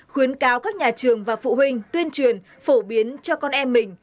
khuyến cáo các nhà trường và phụ huynh tuyên truyền phổ biến cho con em mình